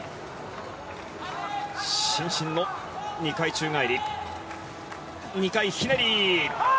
伸身の２回宙返り２回ひねり。